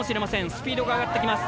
スピードが上がってきます。